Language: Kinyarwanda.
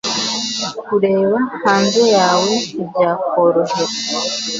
Kureba hanze yawe ntibyakorohera